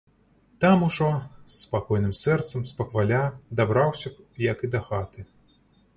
Там ужо з спакойным сэрцам спакваля дабраўся б як і дахаты.